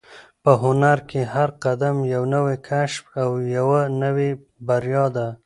په هنر کې هر قدم یو نوی کشف او یوه نوې بریا ده.